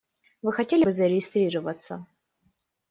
Вы хотели бы зарегистрироваться?